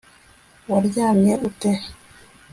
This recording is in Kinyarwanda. waryamye ute